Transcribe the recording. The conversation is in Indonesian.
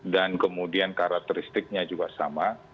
dan kemudian karakteristiknya juga sama